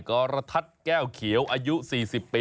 กรทัศน์แก้วเขียวอายุ๔๐ปี